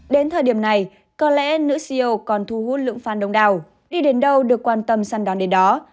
đến thời điểm này có lẽ nữ siêu còn thu hút lượng phan đông đào đi đến đâu được quan tâm săn đón đến đó